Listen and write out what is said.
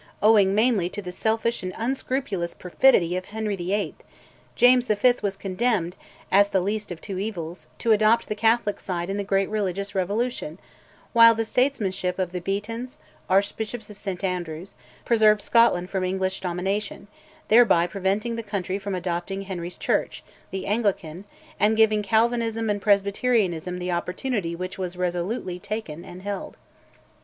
Owing mainly to the selfish and unscrupulous perfidy of Henry VIII., James V. was condemned, as the least of two evils, to adopt the Catholic side in the great religious revolution; while the statesmanship of the Beatons, Archbishops of St Andrews, preserved Scotland from English domination, thereby preventing the country from adopting Henry's Church, the Anglican, and giving Calvinism and Presbyterianism the opportunity which was resolutely taken and held.